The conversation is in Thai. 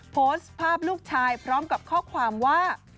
โพสต์ภาพลูกชายพร้อมกับข้อความว่า